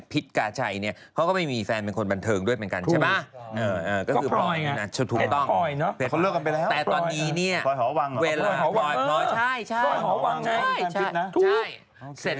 กาชัยเนี่ยเขาก็ไม่มีแฟนเป็นคนบันเทิงด้วยเหมือนกันใช่ไหม